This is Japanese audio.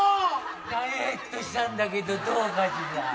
ダイエットしたんだけどどうかしら？